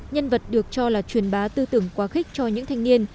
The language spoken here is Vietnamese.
nhân vật được cho là truyền bá tư tưởng quá khích cho những thanh niên